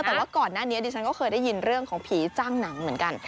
แต่ว่าก่อนหน้านี้ดิฉันก็เคยได้ยินเรื่องของผีจ้างหนังเหมือนกัน